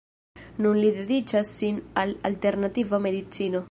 Nun li dediĉas sin al alternativa medicino.